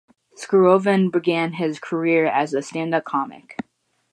Skrovan began his career as a stand-up comic.